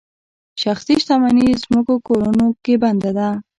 شخصي شتمني ځمکو کورونو کې بنده ده.